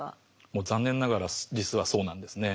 もう残念ながら実はそうなんですね。